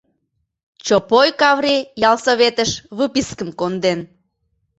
Чопой Каври ялсоветыш выпискым конден.